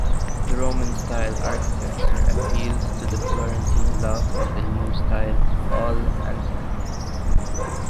The Roman-style architecture appealed to the Florentine love of the new style "all'antica".